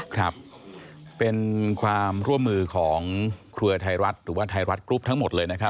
ครับเป็นความร่วมมือของเครือไทยรัฐหรือว่าไทยรัฐกรุ๊ปทั้งหมดเลยนะครับ